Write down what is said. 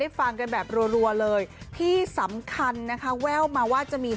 ฟังกันแบบรัวเลยที่สำคัญนะคะแว่วมาว่าจะมี